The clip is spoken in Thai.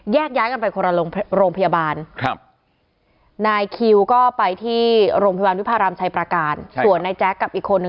แยกย้ายกันไปคนละโรงพยาบาลครับ